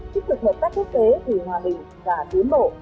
chức lực hợp tác quốc tế tùy hòa bình và tiến bộ